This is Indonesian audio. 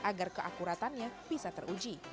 agar keakuratannya bisa teruji